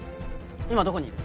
今どこにいる？